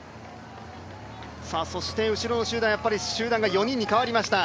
そして後ろの集団が４人に変わりました。